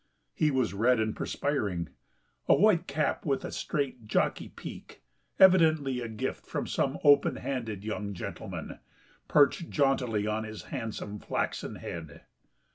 He was red and perspiring, a white cap with a straight jockey peak, evidently a gift from some open handed young gentleman, perched jauntily on his handsome flaxen head.